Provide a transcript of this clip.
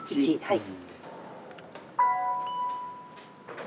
はい。